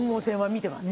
見てます